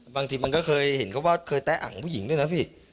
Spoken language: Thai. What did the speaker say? บางทีมันก็เคยเห็นเขาว่าเคยแตะอังของผู้หญิงด้วยนะพี่